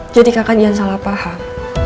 jadi kakak jangan salah paham